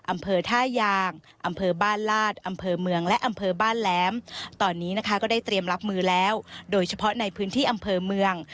อำเภอท่ายางอำเภอบ้านลาดอำเภอเมืองและอำเภอบ้านแหลมตอนนี้นะคะก็ได้เตรียมรับมือแล้วโดยเฉพาะในพื้นที่อำเภอเมือง